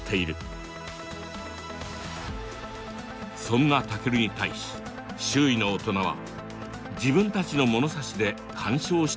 そんなタケルに対し周囲の大人は自分たちの物差しで干渉してくるという。